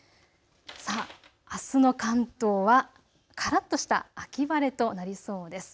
あすの関東はからっとした秋晴れとなりそうです。